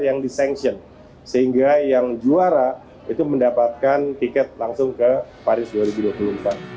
yang dissenction sehingga yang juara itu mendapatkan tiket langsung ke paris dua ribu dua puluh empat